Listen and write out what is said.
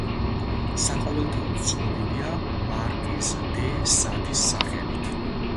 საყოველთაოდ ცნობილია მარკიზ დე სადის სახელით.